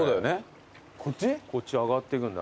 こっち上がってくんだ。